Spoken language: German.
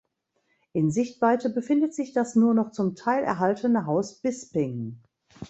In Sichtweite befindet sich das nur noch zum Teil erhaltene Haus Bisping.